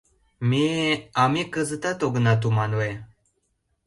— Ме... а ме кызытат огына туманле...